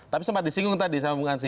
tapi sempat disinggung tadi sama bung ansi